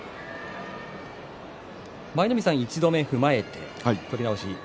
舞の海さん、１度目を踏まえて取り直し